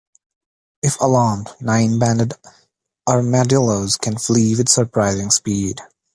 If alarmed, nine-banded armadillos can flee with surprising speed.